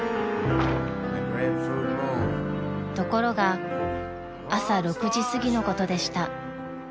［ところが朝６時すぎのことでした］